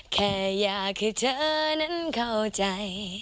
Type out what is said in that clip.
แค่อยากให้เธอนั้นเข้าใจ